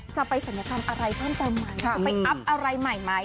จะไปสัญญาการอะไรบ้างกันไหมจะไปอัพอะไรใหม่ไหม